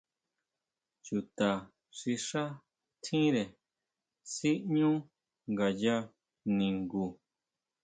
¿Chuta xi xá tjire siʼñu ngaya ningu.